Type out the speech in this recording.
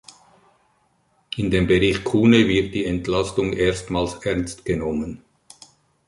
In dem Bericht Kuhne wird die Entlastung erstmals ernst genommen.